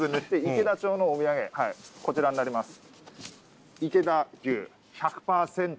池田町のお土産こちらになります。